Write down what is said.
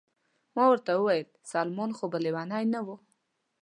ما ورته وویل: سلمان خو به لیونی نه و؟